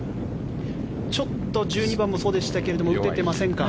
ちょっと１２番もそうでしたが打ててませんか。